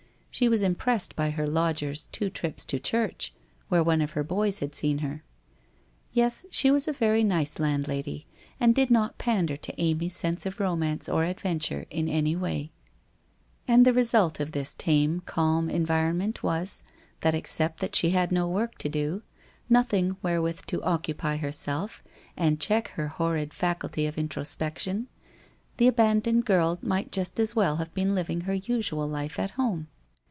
She was impressed by her lodger's two trips to church, where one of her boys had seen her. Yes, she was a very nice landlady and did not pander to Amy's sense of romance or adventure in any way. And the result of this tame, calm environment was, that except that she had no work to do, nothing wherewith to occupy herself, and check her horrid faculty of introspec tion, the abandoned girl might just as well have been living WHITE ROSE OF WEARY LEAF 289 her usual life at home.